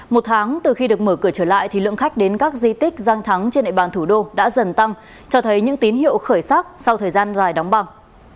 một tháng từ khi được mở cửa trở lại thì lượng khách đến các di tích danh thắng trên địa bàn thủ đô đã dần tăng cho thấy những tín hiệu khởi sắc sau thời gian dài đóng băng